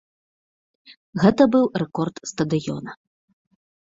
Гэта быў рэкорд стадыёна.